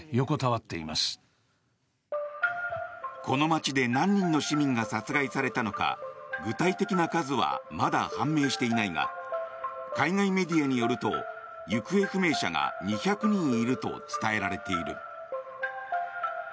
この街で何人の市民が殺害されたのか具体的な数はまだ判明していないが海外メディアによると行方不明者が２００人いると伝えられている。